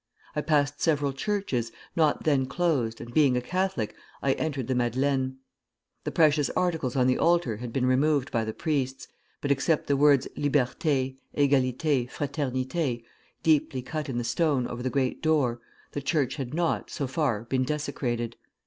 I passed several churches, not then closed, and being a Catholic, I entered the Madeleine. The precious articles on the altar had been removed by the priests, but except the words 'Liberté,' 'Égalité,' 'Fraternité,' deeply cut in the stone over the great door, the church had not, so far, been desecrated.